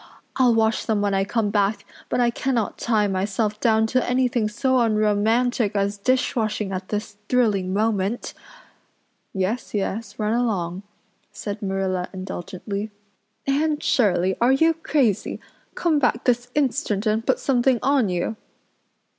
I'll wash them when I come back, but I cannot tie myself down to anything so unromantic as dishwashing at this thrilling moment." "Yes, yes, run along," said Marilla indulgently. "Anne Shirley are you crazy? Come back this instant and put something on you.